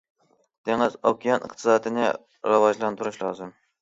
دېڭىز- ئوكيان ئىقتىسادىنى راۋاجلاندۇرۇش لازىم.